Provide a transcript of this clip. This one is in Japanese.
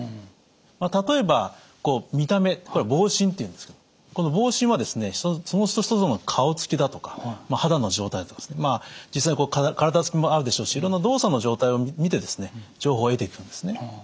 例えば見た目これは望診っていうんですけどこの望診はその人の顔つきだとか肌の状態だとか実際体つきもあるでしょうしいろんな動作の状態を見て情報を得ていくんですね。